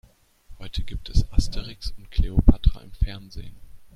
Heute gibt es "Asterix und Kleopatra" im Fernsehen.